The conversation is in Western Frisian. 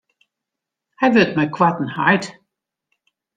Hy wurdt mei koarten heit.